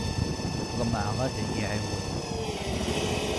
Ḍemɛeɣ ad iyi-iɛawen.